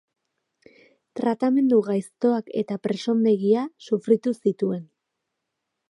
Tratamendu gaiztoak eta presondegia sufritu zituen.